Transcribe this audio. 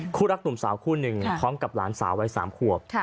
คู่รักหนุ่มสาวคู่หนึ่งพร้อมกับหลานสาววัย๓ขวบ